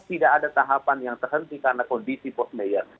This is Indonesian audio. tidak ada tahapan yang terhenti karena kondisi post mayor